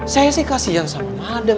saya sih kasian sama madem